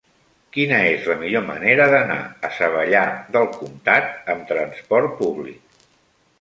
Quina és la millor manera d'anar a Savallà del Comtat amb trasport públic?